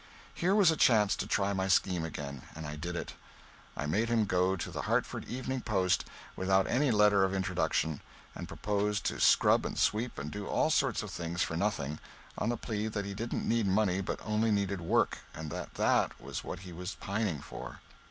Here was a chance to try my scheme again, and I did it. I made him go to the Hartford "Evening Post," without any letter of introduction, and propose to scrub and sweep and do all sorts of things for nothing, on the plea that he didn't need money but only needed work, and that that was what he was pining for.